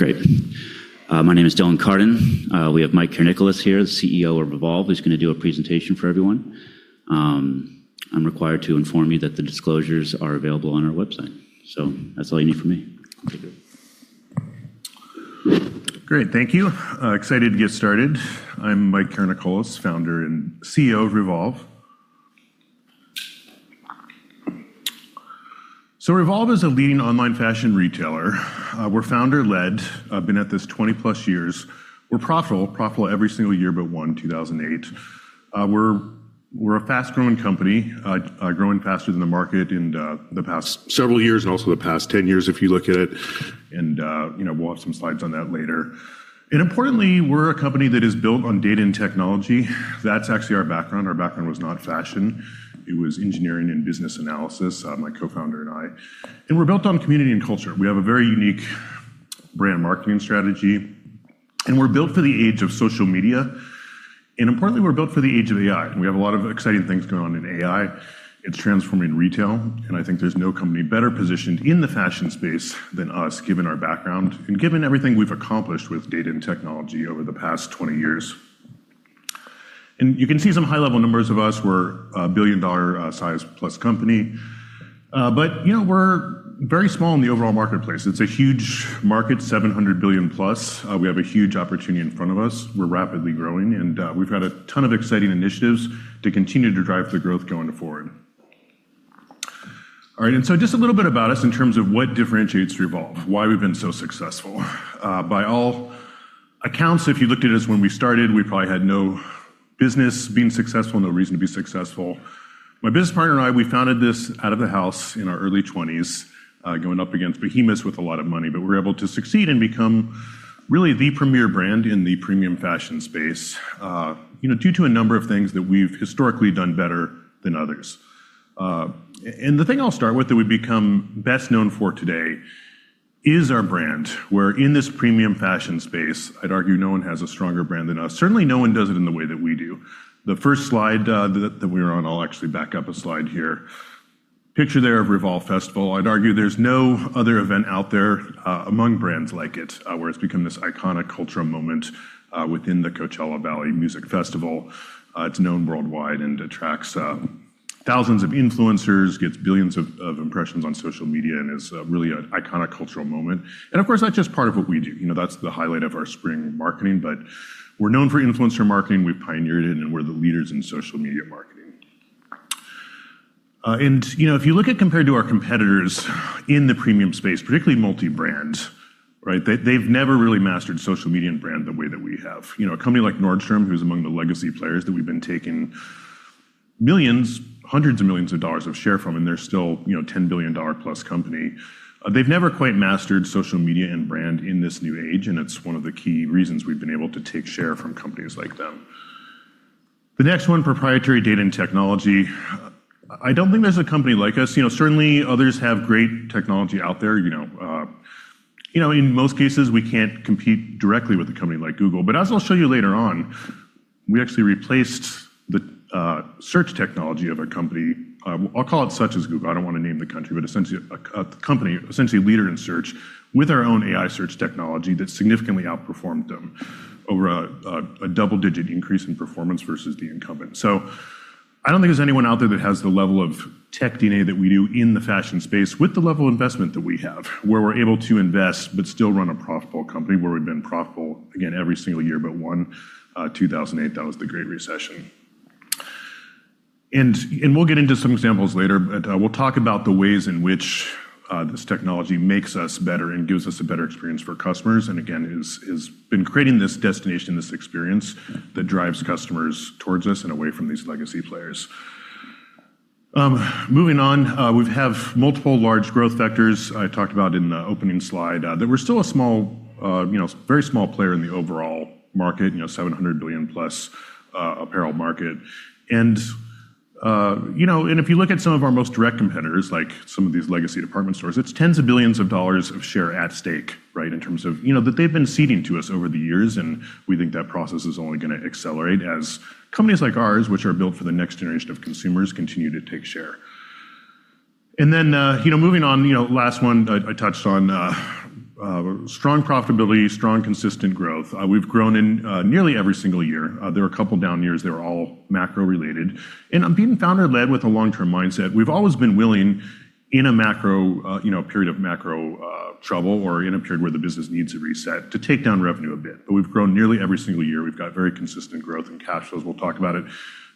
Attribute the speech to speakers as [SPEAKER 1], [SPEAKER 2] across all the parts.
[SPEAKER 1] Hello. Great. My name is Dylan Carden. We have Mike Karanikolas here, the CEO of Revolve. He's going to do a presentation for everyone. I'm required to inform you that the disclosures are available on our website. That's all you need from me.
[SPEAKER 2] Great. Thank you. Excited to get started. I'm Mike Karanikolas, Founder and CEO of Revolve. Revolve is a leading online fashion retailer. We're founder led. I've been at this 20 plus years. We're profitable every single year but one, 2008. We're a fast growing company, growing faster than the market in the past several years and also the past 10 years if you look at it. We'll have some slides on that later. Importantly, we're a company that is built on data and technology. That's actually our background. Our background was not fashion. It was engineering and business analysis, my co-founder and I. We're built on community and culture. We have a very unique brand marketing strategy, and we're built for the age of social media. Importantly, we're built for the age of AI, and we have a lot of exciting things going on in AI. It's transforming retail, and I think there's no company better positioned in the fashion space than us, given our background and given everything we've accomplished with data and technology over the past 20 years. You can see some high-level numbers of us. We're a $1 billion-plus company. We're very small in the overall marketplace. It's a huge market, $700 billion-plus. We have a huge opportunity in front of us. We're rapidly growing, and we've got a ton of exciting initiatives to continue to drive the growth going forward. Just a little bit about us in terms of what differentiates Revolve, why we've been so successful. By all accounts, if you looked at us when we started, we probably had no business being successful, no reason to be successful. My business partner and I, we founded this out of a house in our early 20s, going up against behemoths with a lot of money. We were able to succeed and become really the premier brand in the premium fashion space due to a number of things that we've historically done better than others. The thing I'll start with that we've become best known for today is our brand, where in this premium fashion space, I'd argue no one has a stronger brand than us. Certainly, no one does it in the way that we do. The first slide that we were on, I'll actually back up a slide here. Picture there of Revolve Festival. I'd argue there's no other event out there among brands like it, where it's become this iconic cultural moment within the Coachella Valley Music Festival. It's known worldwide and attracts thousands of influencers, gets billions of impressions on social media, and is really an iconic cultural moment. Of course, that's just part of what we do. That's the highlight of our spring marketing, but we're known for influencer marketing. We pioneered it, and we're the leaders in social media marketing. If you look at compared to our competitors in the premium space, particularly multi-brand, they've never really mastered social media and brand the way that we have. A company like Nordstrom, who's among the legacy players that we've been taking millions, hundreds of millions of dollars of share from, and they're still a $10 billion-plus company. They've never quite mastered social media and brand in this new age, and it's one of the key reasons we've been able to take share from companies like them. The next one, proprietary data and technology. I don't think there's a company like us. Certainly, others have great technology out there. In most cases, we can't compete directly with a company like Google. As I'll show you later on, we actually replaced the search technology of a company. I'll call it such as Google. I don't want to name the country, essentially a company, a leader in search with our own AI search technology that significantly outperformed them over a double-digit increase in performance versus the incumbent. I don't think there's anyone out there that has the level of tech DNA that we do in the fashion space with the level of investment that we have, where we're able to invest but still run a profitable company where we've been profitable again every single year but one, 2008. That was the Great Recession. We'll get into some examples later, but we'll talk about the ways in which this technology makes us better and gives us a better experience for customers, and again, has been creating this destination, this experience that drives customers towards us and away from these legacy players. Moving on. We have multiple large growth vectors I talked about in the opening slide. That we're still a very small player in the overall market, $700 billion+ apparel market. If you look at some of our most direct competitors, like some of these legacy department stores, it's tens of billions of dollars of share at stake in terms of that they've been ceding to us over the years, and we think that process is only going to accelerate as companies like ours, which are built for the next generation of consumers, continue to take share. Moving on, last one I touched on, strong profitability, strong, consistent growth. We've grown in nearly every single year. There were a couple down years. They were all macro related. Being founder-led with a long-term mindset, we've always been willing in a period of macro trouble or in a period where the business needs a reset to take down revenue a bit. We've grown nearly every single year. We've got very consistent growth and cash flows. We'll talk about it.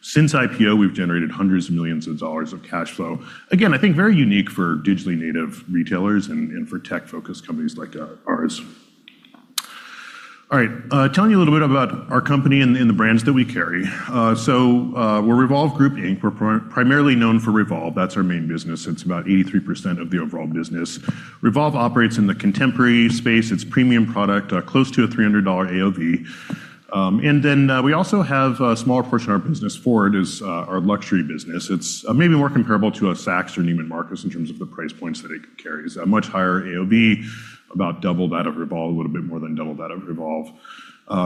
[SPEAKER 2] Since IPO, we've generated hundreds of millions of dollars of cash flow. I think very unique for digitally native retailers and for tech-focused companies like ours. All right. Telling you a little bit about our company and the brands that we carry. We're Revolve Group, Inc. We're primarily known for Revolve. That's our main business. It's about 83% of the overall business. Revolve operates in the contemporary space. It's premium product, close to a $300 AOV. We also have a smaller portion of our business. FWRD is our luxury business. It's maybe more comparable to a Saks or Neiman Marcus in terms of the price points that it carries. A much higher AOV, about double that of Revolve, a little bit more than double that of Revolve.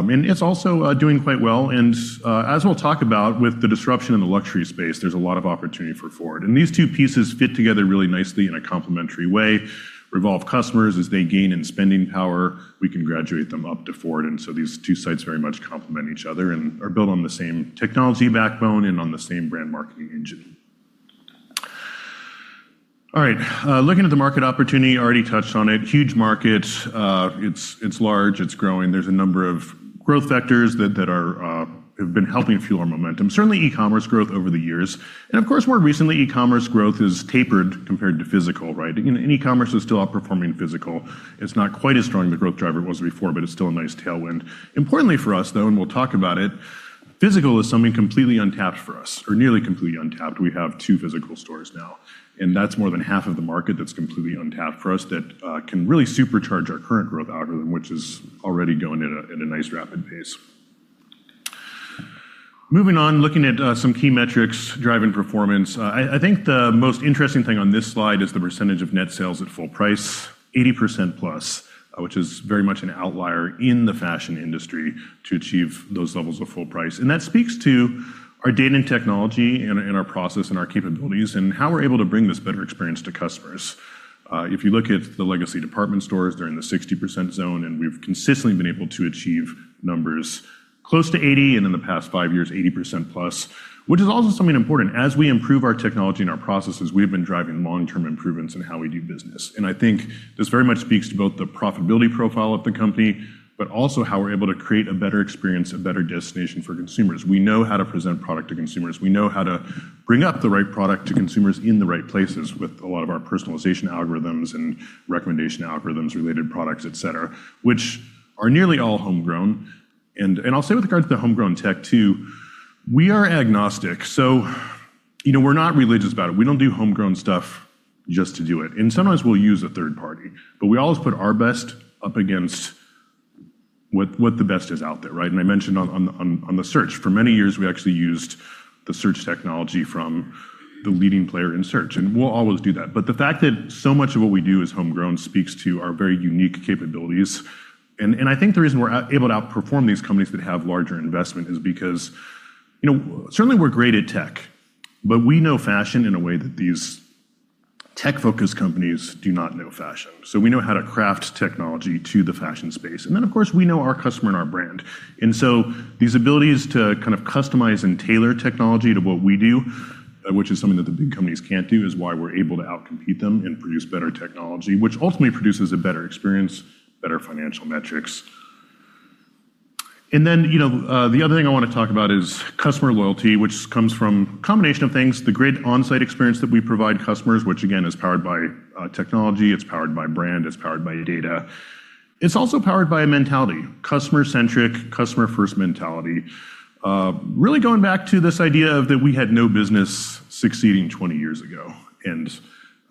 [SPEAKER 2] It's also doing quite well. As we'll talk about with the disruption in the luxury space, there's a lot of opportunity for FWRD. These two pieces fit together really nicely in a complementary way. Revolve customers, as they gain in spending power, we can graduate them up to FWRD. These two sites very much complement each other and are built on the same technology backbone and on the same brand marketing engine. All right. Looking at the market opportunity, already touched on it. Huge market. It's large, it's growing. There's a number of growth vectors that have been helping fuel our momentum. Certainly, e-commerce growth over the years, and of course, more recently, e-commerce growth has tapered compared to physical. E-commerce is still outperforming physical. It's not quite as strong of a growth driver it was before, but it's still a nice tailwind. Importantly for us, though, and we'll talk about it, physical is something completely untapped for us, or nearly completely untapped. We have two physical stores now, and that's more than half of the market that's completely untapped for us that can really supercharge our current growth algorithm, which is already going at a nice rapid pace. Moving on, looking at some key metrics driving performance. I think the most interesting thing on this slide is the percentage of net sales at full price, 80% plus, which is very much an outlier in the fashion industry to achieve those levels of full price. That speaks to our data and technology and our process and our capabilities and how we're able to bring this better experience to customers. If you look at the legacy department stores, they're in the 60% zone, and we've consistently been able to achieve numbers close to 80, and in the past five years, 80% plus, which is also something important. As we improve our technology and our processes, we have been driving long-term improvements in how we do business. I think this very much speaks to both the profitability profile of the company, but also how we're able to create a better experience, a better destination for consumers. We know how to present product to consumers. We know how to bring up the right product to consumers in the right places with a lot of our personalization algorithms and recommendation algorithms, related products, et cetera, which are nearly all homegrown. I'll say with regards to the homegrown tech, too, we are agnostic. We're not religious about it. We don't do homegrown stuff just to do it. Sometimes we'll use a third party, but we always put our best up against what the best is out there. I mentioned on the search, for many years, we actually used the search technology from the leading player in search, and we'll always do that. The fact that so much of what we do is homegrown speaks to our very unique capabilities. I think the reason we're able to outperform these companies that have larger investment is because certainly, we're great at tech, but we know fashion in a way that these tech-focused companies do not know fashion. We know how to craft technology to the fashion space. Then, of course, we know our customer and our brand. These abilities to kind of customize and tailor technology to what we do, which is something that the big companies can't do, is why we're able to out-compete them and produce better technology, which ultimately produces a better experience, better financial metrics. The other thing I want to talk about is customer loyalty, which comes from a combination of things. The great on-site experience that we provide customers, which again, is powered by technology, it's powered by brand, it's powered by data. It's also powered by a mentality, customer-centric, customer-first mentality. Really going back to this idea of that we had no business succeeding 20 years ago.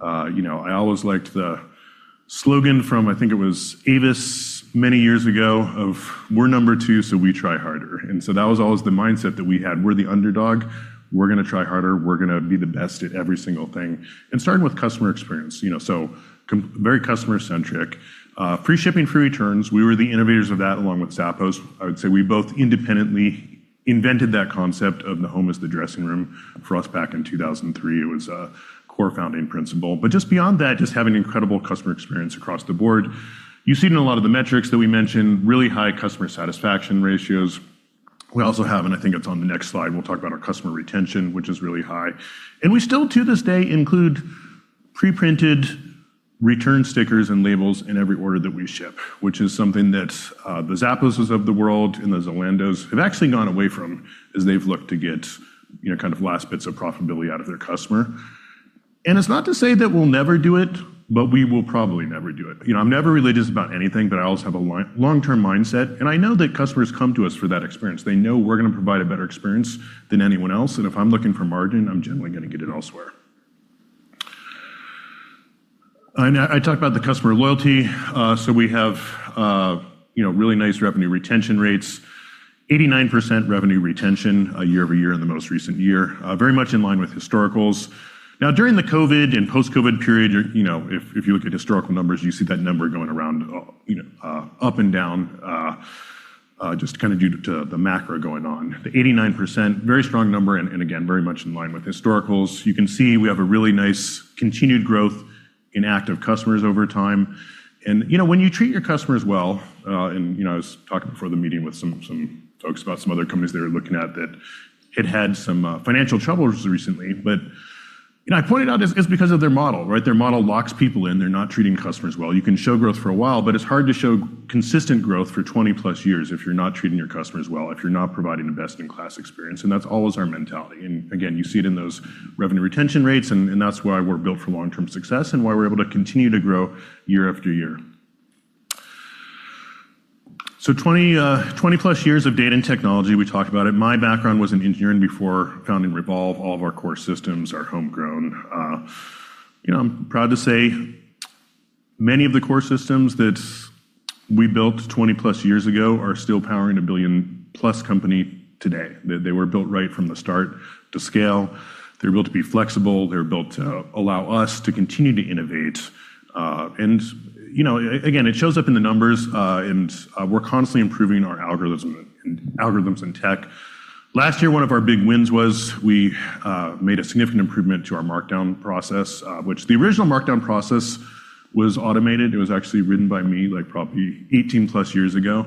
[SPEAKER 2] I always liked the slogan from, I think it was Avis many years ago of, We're number two, so we try harder. That was always the mindset that we had. We're the underdog. We're going to try harder. We're going to be the best at every single thing, starting with customer experience, so very customer-centric. Free shipping, free returns, we were the innovators of that, along with Zappos. I would say we both independently invented that concept of the home as the dressing room. For us back in 2003, it was a core founding principle. Just beyond that, just having incredible customer experience across the board. You see it in a lot of the metrics that we mentioned, really high customer satisfaction ratios. We also have, and I think it's on the next slide, we'll talk about our customer retention, which is really high. We still to this day include pre-printed return stickers and labels in every order that we ship, which is something that the Zappos' of the world and the Zalando have actually gone away from as they've looked to get kind of last bits of profitability out of their customer. It's not to say that we'll never do it, but we will probably never do it. I'm never religious about anything, but I always have a long-term mindset, and I know that customers come to us for that experience. They know we're going to provide a better experience than anyone else, and if I'm looking for margin, I'm generally going to get it elsewhere. I talked about the customer loyalty. We have really nice revenue retention rates, 89% revenue retention year-over-year in the most recent year. Very much in line with historicals. Now, during the COVID and post-COVID period, if you look at historical numbers, you see that number going around up and down, just kind of due to the macro going on. The 89%, very strong number, again, very much in line with historicals. You can see we have a really nice continued growth in active customers over time. When you treat your customers well, I was talking before the meeting with some folks about some other companies they were looking at that had some financial troubles recently. I pointed out it's because of their model. Their model locks people in. They're not treating customers well. You can show growth for a while. It's hard to show consistent growth for 20-plus years if you're not treating your customers well, if you're not providing a best-in-class experience. That's always our mentality. Again, you see it in those revenue retention rates, and that's why we're built for long-term success and why we're able to continue to grow year after year. 20-plus years of data and technology, we talked about it. My background was in engineering before founding Revolve. All of our core systems are homegrown. I'm proud to say many of the core systems that we built 20-plus years ago are still powering a billion-plus company today. They were built right from the start to scale. They were built to be flexible. They were built to allow us to continue to innovate. Again, it shows up in the numbers, and we're constantly improving our algorithms and tech. Last year, one of our big wins was we made a significant improvement to our markdown process, which the original markdown process was automated. It was actually written by me, probably 18+ years ago.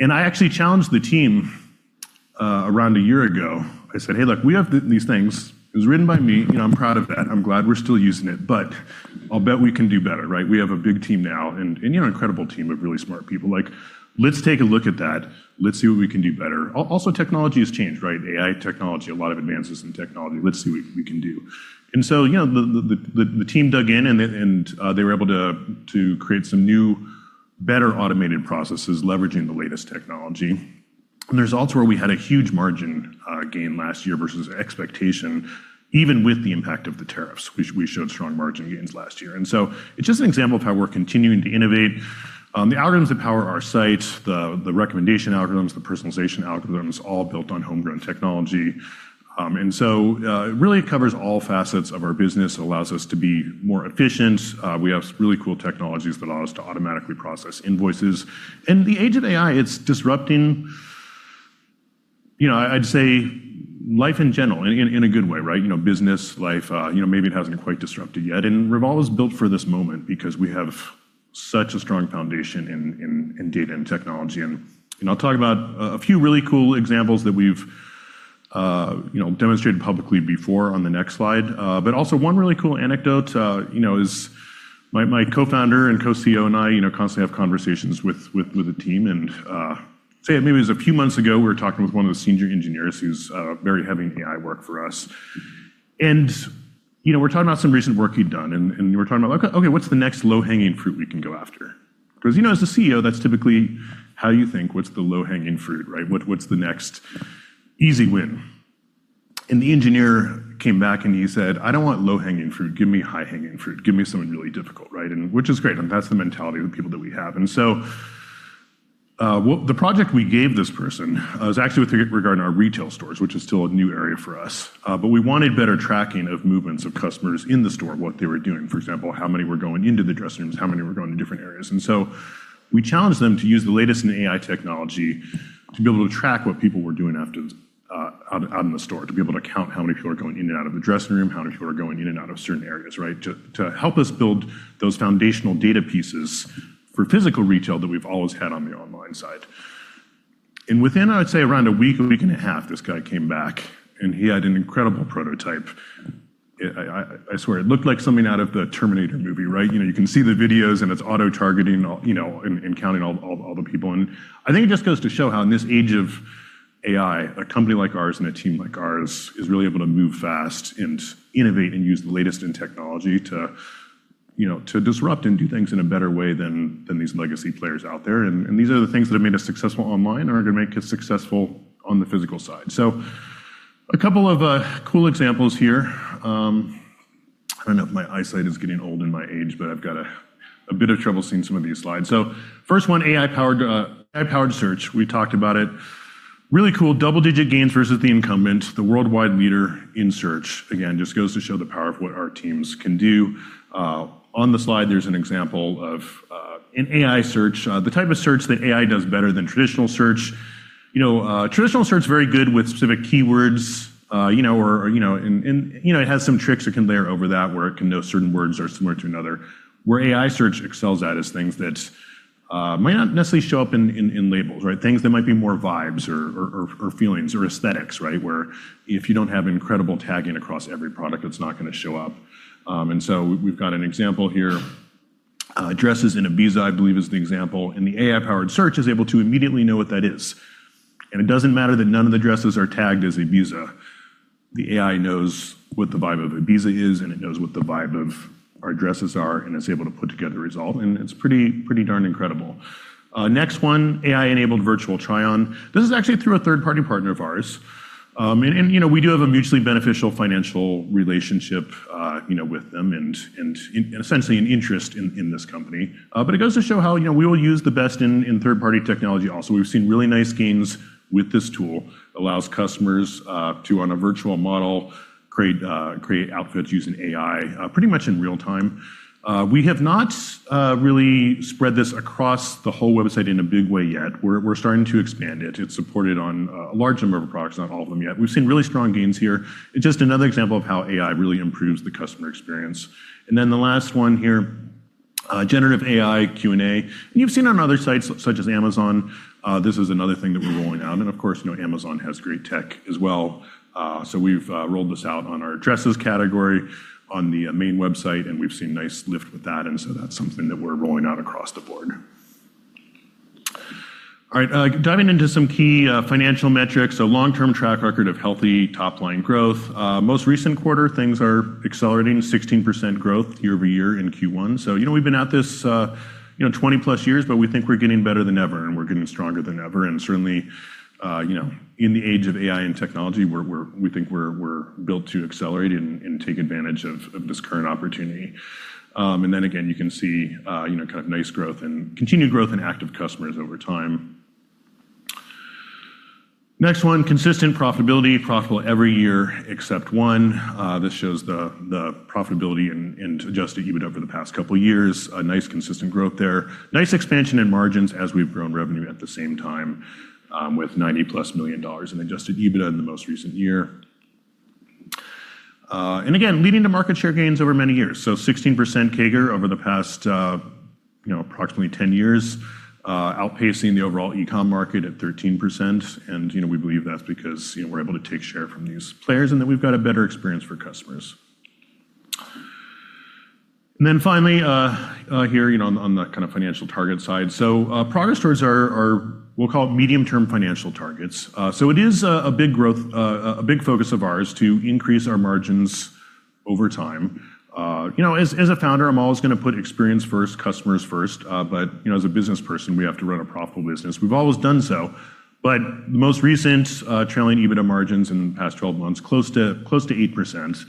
[SPEAKER 2] I actually challenged the team around a year ago, I said, Hey, look, we have these things. It was written by me. I'm proud of that. I'm glad we're still using it, but I'll bet we can do better, right? We have a big team now, and an incredible team of really smart people. Let's take a look at that. Let's see what we can do better. Also, technology has changed, right? AI technology, a lot of advances in technology. Let's see what we can do. The team dug in, and they were able to create some new, better automated processes leveraging the latest technology. The results were we had a huge margin gain last year versus expectation, even with the impact of the tariffs. We showed strong margin gains last year. It's just an example of how we're continuing to innovate. The algorithms that power our sites, the recommendation algorithms, the personalization algorithms, all built on homegrown technology. It really covers all facets of our business. It allows us to be more efficient. We have some really cool technologies that allow us to automatically process invoices. In the age of AI, it's disrupting, I'd say, life in general, in a good way. Business, life, maybe it hasn't quite disrupted yet. Revolve was built for this moment because we have such a strong foundation in data and technology. I'll talk about a few really cool examples that we've demonstrated publicly before on the next slide. Also, one really cool anecdote is my Co-Founder and Co-Chief Executive Officer and I constantly have conversations with the team and say, maybe it was a few months ago, we were talking with one of the senior engineers who's very heavy in AI work for us. We're talking about some recent work he'd done, and we're talking about, Okay, what's the next low-hanging fruit we can go after? Because, as the CEO, that's typically how you think. What's the low-hanging fruit? What's the next easy win? The engineer came back, and he said, I don't want low-hanging fruit. Give me high-hanging fruit. Give me something really difficult. Which is great, and that's the mentality of the people that we have. The project we gave this person was actually with regard to our retail stores, which is still a new area for us. We wanted better tracking of movements of customers in the store, what they were doing. For example, how many were going into the dressing rooms, how many were going to different areas. We challenged them to use the latest in AI technology to be able to track what people were doing out in the store, to be able to count how many people are going in and out of the dressing room, how many people are going in and out of certain areas. To help us build those foundational data pieces for physical retail that we've always had on the online side. Within, I'd say, around a week and a half, this guy came back, and he had an incredible prototype. I swear it looked like something out of The Terminator movie. You can see the videos, and it's auto-targeting, and counting all the people. I think it just goes to show how in this age of AI, a company like ours and a team like ours is really able to move fast and innovate and use the latest in technology to disrupt and do things in a better way than these legacy players out there. These are the things that have made us successful online, are going to make us successful on the physical side. A couple of cool examples here. I don't know if my eyesight is getting old in my age, but I've got a bit of trouble seeing some of these slides. First one, AI-powered search. We talked about it. Really cool double-digit gains versus the incumbent, the worldwide leader in search. Again, just goes to show the power of what our teams can do. On the slide, there's an example of an AI search, the type of search that AI does better than traditional search. Traditional search, very good with specific keywords, or it has some tricks it can layer over that where it can know certain words are similar to another. Where AI search excels at is things that might not necessarily show up in labels. Things that might be more vibes or feelings or aesthetics. Where if you don't have incredible tagging across every product, it's not going to show up. We've got an example here, dresses in Ibiza, I believe is the example. The AI-powered search is able to immediately know what that is. It doesn't matter that none of the dresses are tagged as Ibiza. The AI knows what the vibe of Ibiza is, and it knows what the vibe of our dresses are, and it's able to put together a result, and it's pretty darn incredible. Next one, AI-enabled virtual try-on. This is actually through a third-party partner of ours, and we do have a mutually beneficial financial relationship with them, and essentially an interest in this company. It goes to show how we will use the best in third-party technology also. We've seen really nice gains with this tool. Allows customers to, on a virtual model, create outputs using AI, pretty much in real time. We have not really spread this across the whole website in a big way yet. We're starting to expand it. It's supported on a large number of products, not all of them yet. We've seen really strong gains here, and just another example of how AI really improves the customer experience. The last one here, generative AI Q&A. You've seen it on other sites such as Amazon. This is another thing that we're rolling out, and of course, Amazon has great tech as well. We've rolled this out on our dresses category, on the main website, and we've seen nice lift with that. That's something that we're rolling out across the board. All right, diving into some key financial metrics. A long-term track record of healthy top-line growth. Most recent quarter, things are accelerating, 16% growth year-over-year in Q1. We've been at this 20-plus years, but we think we're getting better than ever, and we're getting stronger than ever. Certainly, in the age of AI and technology, we think we're built to accelerate and take advantage of this current opportunity. Again, you can see nice growth and continued growth in active customers over time. Next one, consistent profitability, profitable every year except one. This shows the profitability and Adjusted EBITDA for the past couple of years. Nice consistent growth there. Nice expansion in margins as we've grown revenue at the same time, with $90-plus million in Adjusted EBITDA in the most recent year. Again, leading to market share gains over many years. 16% CAGR over the past approximately 10 years, outpacing the overall e-com market at 13%. We believe that's because we're able to take share from these players and that we've got a better experience for customers. Finally, here, on the financial target side. Progress Towards Medium-Term Financial Targets are, we'll call it medium-term financial targets. It is a big focus of ours to increase our margins over time. As a founder, I'm always going to put experience first, customers first. As a business person, we have to run a profitable business. We've always done so. The most recent trailing EBITDA margins in the past 12 months, close to 8%.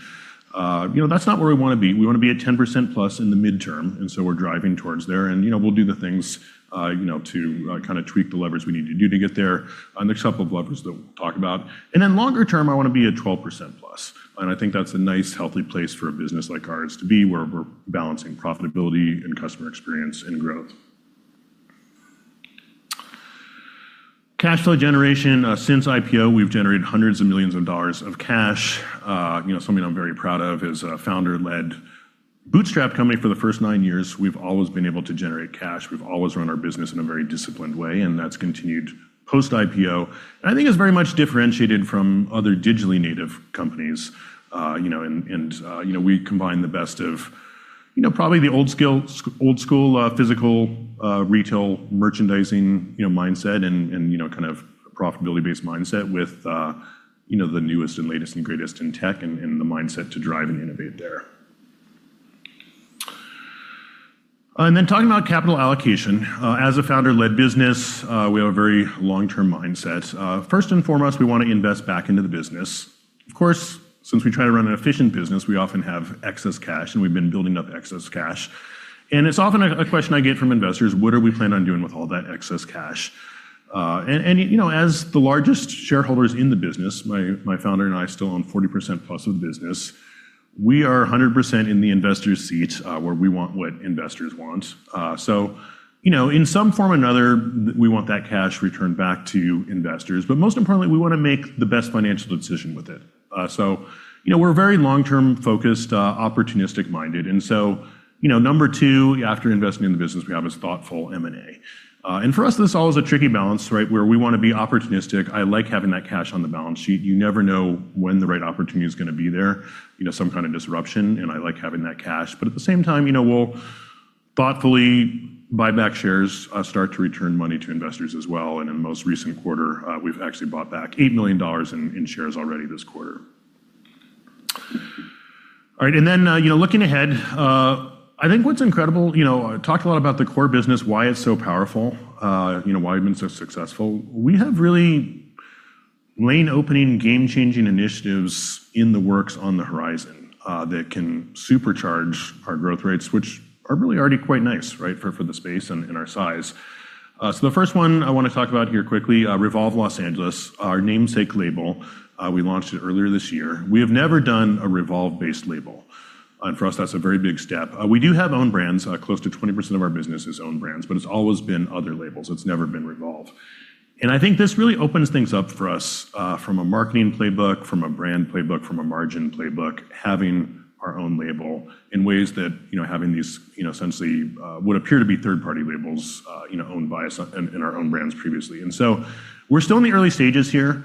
[SPEAKER 2] That's not where we want to be. We want to be at 10% plus in the midterm, and so we're driving towards there. We'll do the things to kind of tweak the levers we need to do to get there. There's a couple of levers that we'll talk about. Then longer term, I want to be at 12% plus. I think that's a nice, healthy place for a business like ours to be, where we're balancing profitability and customer experience and growth. Cash flow generation. Since IPO, we've generated hundreds of millions of dollars of cash. Something I'm very proud of is a founder-led bootstrap company for the first nine years, we've always been able to generate cash. We've always run our business in a very disciplined way, that's continued post-IPO. I think it's very much differentiated from other digitally native companies. We combine the best of probably the old school physical retail merchandising mindset and kind of profitability-based mindset with the newest and latest and greatest in tech and the mindset to drive and innovate there. Talking about capital allocation. As a founder-led business, we have a very long-term mindset. First and foremost, we want to invest back into the business. Of course, since we try to run an efficient business, we often have excess cash, and we've been building up excess cash. It's often a question I get from investors, what do we plan on doing with all that excess cash? As the largest shareholders in the business, my founder and I still own 40% plus of the business, we are 100% in the investors' seat, where we want what investors want. In some form or another, we want that cash returned back to investors. Most importantly, we want to make the best financial decision with it. We're very long-term focused, opportunistic-minded. Number two, after investing in the business, we have is thoughtful M&A. For us, this is always a tricky balance, right? Where we want to be opportunistic. I like having that cash on the balance sheet. You never know when the right opportunity is going to be there, some kind of disruption, and I like having that cash. At the same time, we'll thoughtfully buy back shares, start to return money to investors as well. In the most recent quarter, we've actually bought back $8 million in shares already this quarter. All right, looking ahead, I think what's incredible, I talked a lot about the core business, why it's so powerful, why we've been so successful. We have really lane-opening, game-changing initiatives in the works on the horizon that can supercharge our growth rates, which are really already quite nice, right? For the space and our size. The first one I want to talk about here quickly, Revolve Los Angeles, our namesake label. We launched it earlier this year. We have never done a Revolve-based label. For us, that's a very big step. We do have own brands. Close to 20% of our business is own brands, it's always been other labels. It's never been Revolve. I think this really opens things up for us from a marketing playbook, from a brand playbook, from a margin playbook, having our own label in ways that having these essentially what appear to be third-party labels owned by us and our own brands previously. We're still in the early stages here.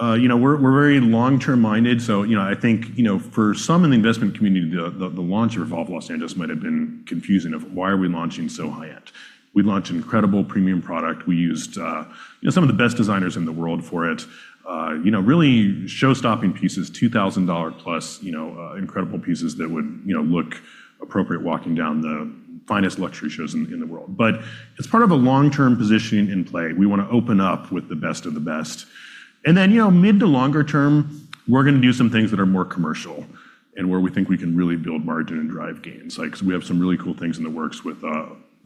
[SPEAKER 2] We're very long-term minded. I think for some in the investment community, the launch of Revolve Los Angeles might have been confusing of why are we launching so high-end. We launched an incredible premium product. We used some of the best designers in the world for it. Really show-stopping pieces, $2,000-plus, incredible pieces that would look appropriate walking down the finest luxury shows in the world. It's part of a long-term positioning in play. We want to open up with the best of the best. Then mid to longer term, we're going to do some things that are more commercial and where we think we can really build margin and drive gains. We have some really cool things in the works with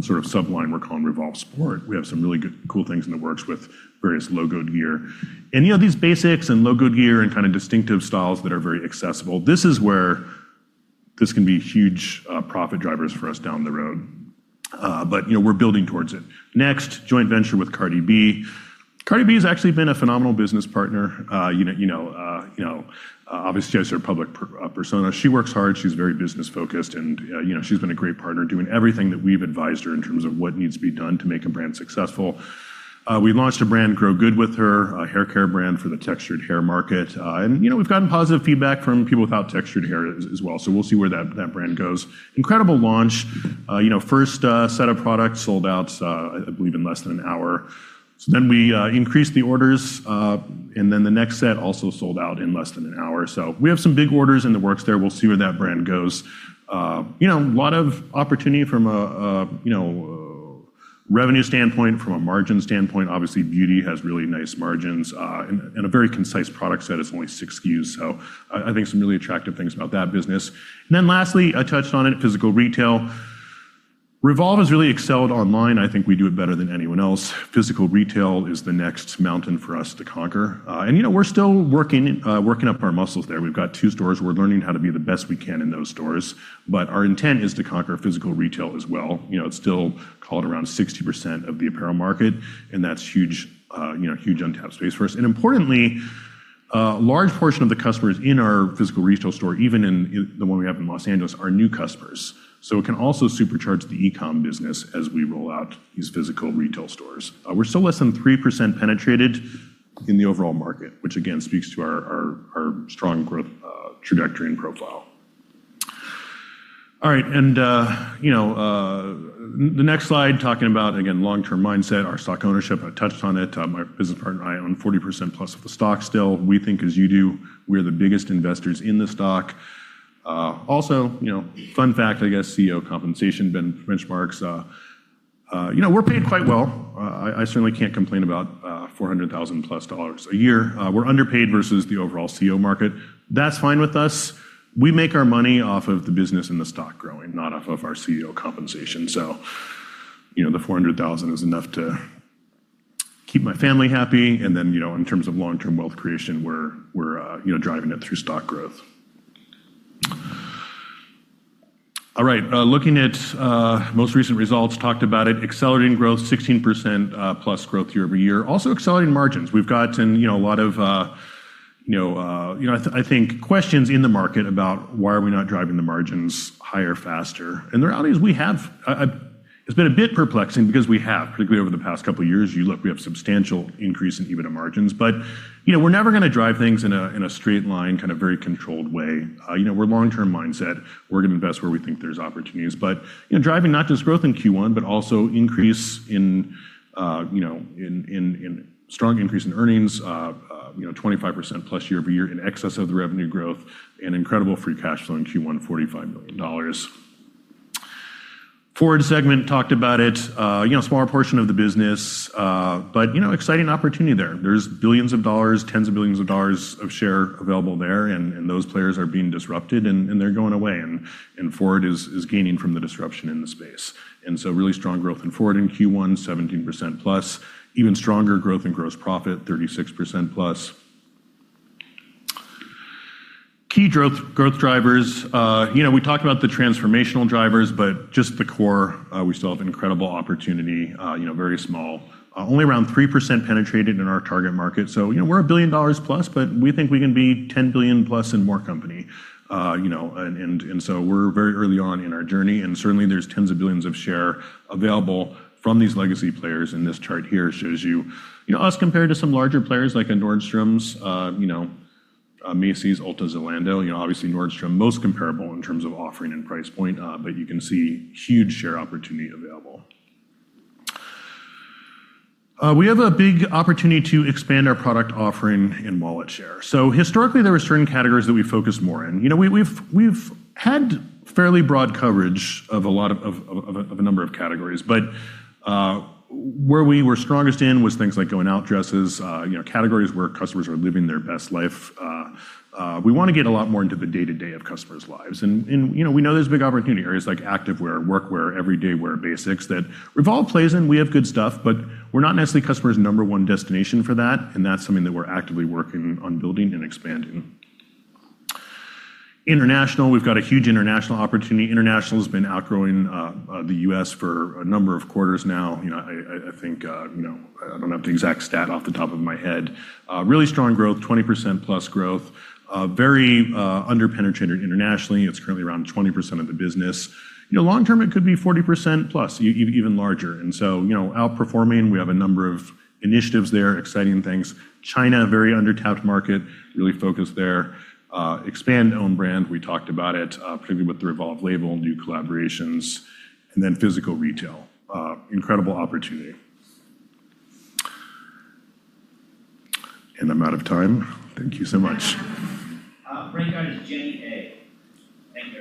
[SPEAKER 2] sort of sub-line we're calling Revolve Sport. We have some really cool things in the works with various logoed gear. These basics and logoed gear and kind of distinctive styles that are very accessible, this is where this can be huge profit drivers for us down the road. We're building towards it. Next, joint venture with Cardi B. Cardi B has actually been a phenomenal business partner. Obviously, as her public persona, she works hard. She's very business-focused, and she's been a great partner, doing everything that we've advised her in terms of what needs to be done to make a brand successful. We launched a brand, Grow Good, with her, a haircare brand for the textured hair market. We've gotten positive feedback from people without textured hair as well. We'll see where that brand goes. Incredible launch. First set of products sold out, I believe, in less than an hour. We increased the orders, and then the next set also sold out in less than an hour. We have some big orders in the works there. We'll see where that brand goes. A lot of opportunity from a revenue standpoint, from a margin standpoint. Obviously, beauty has really nice margins, and a very concise product set. It's only 6 SKUs. I think some really attractive things about that business. Then lastly, I touched on it, physical retail. Revolve has really excelled online. I think we do it better than anyone else. Physical retail is the next mountain for us to conquer. We're still working up our muscles there. We've got two stores. We're learning how to be the best we can in those stores. Our intent is to conquer physical retail as well. It's still called around 60% of the apparel market, that's huge untapped space for us. Importantly, a large portion of the customers in our physical retail store, even in the one we have in Los Angeles, are new customers. It can also supercharge the e-com business as we roll out these physical retail stores. We're still less than 3% penetrated in the overall market, which again speaks to our strong growth trajectory and profile. All right. The next slide, talking about, again, long-term mindset, our stock ownership. I touched on it. My business partner and I own 40% plus of the stock still. We think as you do, we are the biggest investors in the stock. Also, fun fact, I guess, CEO compensation benchmarks. We're paid quite well. I certainly can't complain about $400,000 plus a year. We're underpaid versus the overall CEO market. That's fine with us. We make our money off of the business and the stock growing, not off of our CEO compensation. The $400,000 is enough to keep my family happy, and then, in terms of long-term wealth creation, we're driving it through stock growth. All right. Looking at most recent results, talked about it, accelerating growth, 16%+ growth year-over-year. Also accelerating margins. We've gotten a lot of, I think, questions in the market about why are we not driving the margins higher, faster. The reality is we have. It's been a bit perplexing because we have, particularly over the past couple of years. You look, we have substantial increase in EBITDA margins, but we're never going to drive things in a straight line, very controlled way. We're long-term mindset. We're going to invest where we think there's opportunities. Driving not just growth in Q1, but also strong increase in earnings, 25%+ year-over-year in excess of the revenue growth, and incredible free cash flow in Q1, $45 million. FWRD segment, talked about it. Smaller portion of the business, but exciting opportunity there. There's billions of dollars, tens of billions of dollars of share available there. Those players are being disrupted and they're going away. FWRD is gaining from the disruption in the space. Really strong growth in FWRD in Q1, 17%+. Even stronger growth in gross profit, 36%+. Key growth drivers. We talked about the transformational drivers. Just the core, we still have incredible opportunity. Very small. Only around 3% penetrated in our target market. We're a $ billion+, we think we can be a $10 billion+ and more company. We're very early on in our journey. Certainly, there's $ tens of billions of share available from these legacy players. This chart here shows you us compared to some larger players like a Nordstrom, a Macy's, Ulta, Zalando. Obviously Nordstrom, most comparable in terms of offering and price point, but you can see huge share opportunity available. We have a big opportunity to expand our product offering and wallet share. Historically, there were certain categories that we focused more in. We've had fairly broad coverage of a number of categories. Where we were strongest in was things like going-out dresses, categories where customers are living their best life. We want to get a lot more into the day-to-day of customers' lives. We know there's big opportunity areas like activewear, workwear, everyday wear basics that Revolve plays in. We have good stuff, but we're not necessarily customers' number one destination for that, and that's something that we're actively working on building and expanding. International. We've got a huge international opportunity. International has been outgrowing the U.S. for a number of quarters now, I think. I don't have the exact stat off the top of my head. Really strong growth, 20% plus growth. Very under-penetrated internationally. It's currently around 20% of the business. Long-term, it could be 40% plus, even larger. Outperforming, we have a number of initiatives there, exciting things. China, very under-tapped market, really focused there. Expand own brand, we talked about it, particularly with the Revolve label, new collaborations. Physical retail. Incredible opportunity. I'm out of time. Thank you so much.
[SPEAKER 1] Great, guys. Jenny A. Thank you.